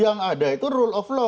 yang ada itu rule of law